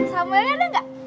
samulia ada gak